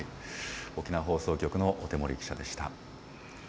沖縄放送局の小手森記者でした。